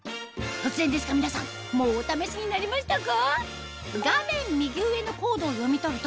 突然ですが皆さんもうお試しになりましたか？